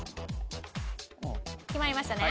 決まりましたね？